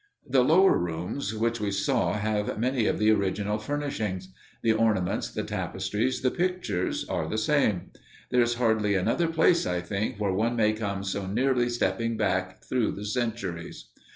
The lower rooms which we saw have many of the original furnishings. The ornaments, the tapestries, the pictures, are the same. There is hardly another place, I think, where one may come so nearly stepping back through the centuries.